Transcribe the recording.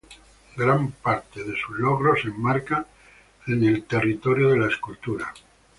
Gran parte de sus logros se enmarcan en el territorio de la escultura.